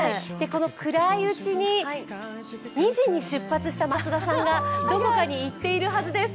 この暗いうちに２時に出発した増田さんがどこかに行っているはずです。